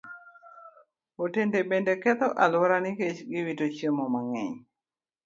Otende bende ketho alwora nikech wito chiemo mang'eny.